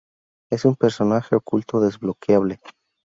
Es un personaje oculto desbloqueable.